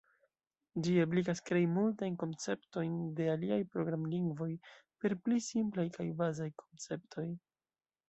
Ĝi ebligas krei multajn konceptojn de aliaj programlingvoj per pli simplaj kaj bazaj konceptoj.